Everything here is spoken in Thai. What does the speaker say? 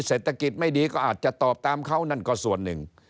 เศรษฐกิจไม่ดีก็อาจจะตอบตามเขานั่นก็ส่วนหนึ่ง